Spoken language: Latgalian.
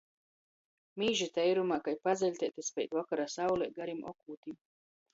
Mīži teirumā kai pazeļteiti speid vokora saulē garim okūtim.